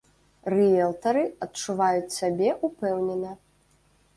Рыэлтары адчуваюць сябе ўпэўнена.